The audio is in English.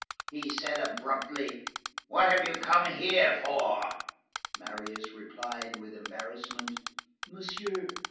He said abruptly:— "What have you come here for?" Marius replied with embarrassment:— "Monsieur—" M.